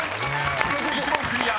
［１問クリア！